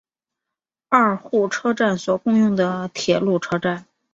二户车站所共用的铁路车站。